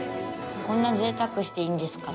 こんなぜいたくしていいんですか？